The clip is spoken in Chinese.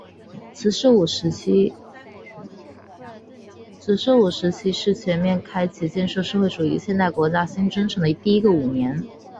“十四五”时期是开启全面建设社会主义现代化国家新征程的第一个五年。